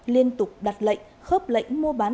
liên tục đặt lệnh khớp lệnh mua bán